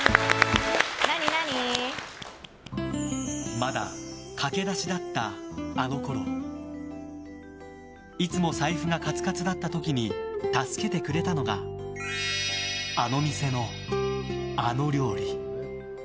まだ駆け出しだったあのころいつも財布がカツカツだった時に助けてくれたのがあの店の、あの料理。